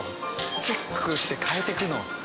チェックして変えていくの？